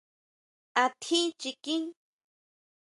¿Átjín chikín?